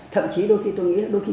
thậm chí đôi khi tôi nghĩ là đôi khi